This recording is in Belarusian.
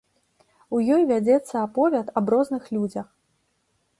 У ёй вядзецца аповяд аб розных людзях.